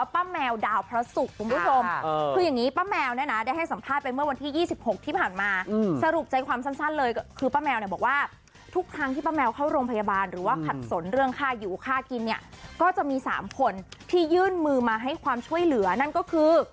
แมวดาวพระศุกร์คุณผู้ชมคืออย่างนี้ป้าแมวเนี่ยนะได้ให้สัมภาษณ์ไปเมื่อวันที่๒๖ที่ผ่านมาสรุปใจความสั้นเลยก็คือป้าแมวเนี่ยบอกว่าทุกครั้งที่ป้าแมวเข้าโรงพยาบาลหรือว่าขัดสนเรื่องค่าอยู่ค่ากินเนี่ยก็จะมี๓คนที่ยื่นมือมาให้ความช่วยเหลือนั่นก็คือ